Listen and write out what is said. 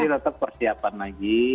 pasti tetap persiapan lagi